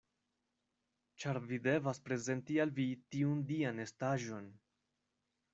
Ĉar vi devas prezenti al vi tiun dian estaĵon!